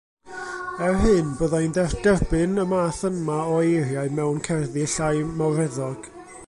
Er hyn byddai'n derbyn y math yma o eiriau mewn cerddi llai mawreddog